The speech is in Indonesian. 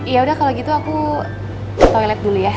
yaudah kalau gitu aku toilet dulu ya